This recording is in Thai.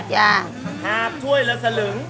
หาบถ้วยเหลือสี่หลุง